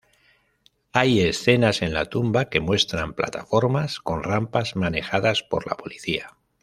Hay escenas en la tumba que muestran plataformas con rampas manejadas por la policía.